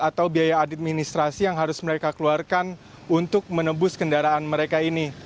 atau biaya administrasi yang harus mereka keluarkan untuk menembus kendaraan mereka ini